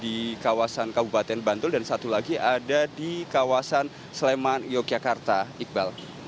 di kawasan kabupaten bantul dan satu lagi ada di kawasan sleman yogyakarta iqbal